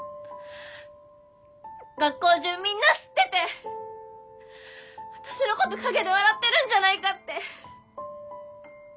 学校中みんな知ってて私のこと陰で笑ってるんじゃないかって。